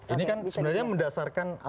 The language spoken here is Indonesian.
ini kan sebenarnya mendasarkan